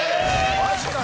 マジかよ。